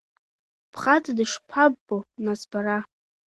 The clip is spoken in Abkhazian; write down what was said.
Бхаҵа дышԥаббо, нас, бара?